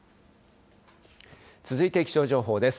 続いて気象情報です。